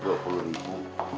dua puluh ribu